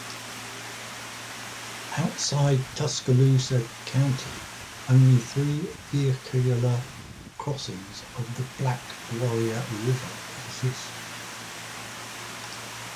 Outside Tuscaloosa County, only three vehicular crossings of the Black Warrior River exist.